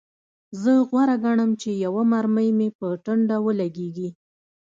زه غوره ګڼم چې یوه مرمۍ مې په ټنډه ولګیږي